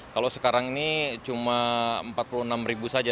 kalau sekarang ini cuma empat puluh enam ribu saja